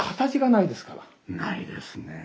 ないですねえ。